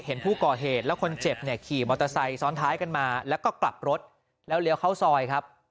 เห็นผู้ก่อเหตุแล้วคนเจ็บเนี่ยขี่มอเตอร์ไซค์ซ้อนท้ายกันมาแล้วก็กลับรถแล้วเลี้ยวเข้าซอยครับ